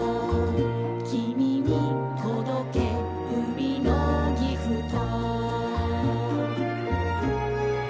「きみにとどけ海のギフト」